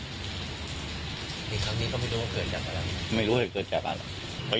อีกครั้งนี้ก็ไม่รู้ว่าเกิดจากอะไรไม่รู้ว่าเกิดจากอะไร